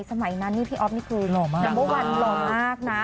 สมัยนั้นนี่พี่อ๊อฟนี่คือเหมาะวันเหมาะมากนะ